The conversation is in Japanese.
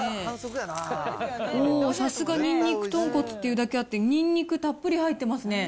おお、さすがにんにく豚骨というだけあって、ニンニクたっぷり入ってますね。